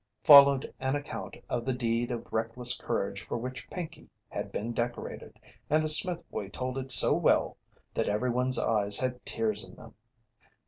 Followed an account of the deed of reckless courage for which Pinkey had been decorated, and the Smith boy told it so well that everyone's eyes had tears in them.